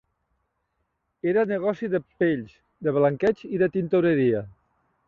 Era negoci de pells, de blanqueig i de tintoreria